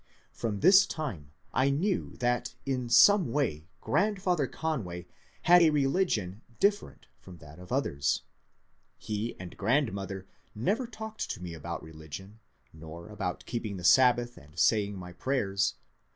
From this time I knew that in some way grand father Conway had a religion different from that of others. He and grandmother never talked to me about religion, nor about keeping the Sabbath and saying my prayers.